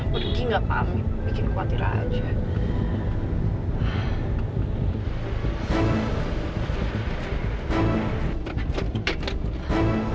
pergi gak pamit bikin khawatir aja